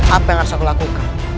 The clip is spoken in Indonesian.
apa yang harus aku lakukan